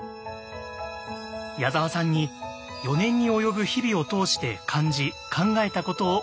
矢沢さんに４年に及ぶ日々を通して感じ考えたことを伺います。